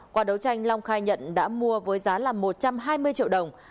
qua đấu tranh long khai nhận đã mua với giá là một trăm hai mươi triệu đồng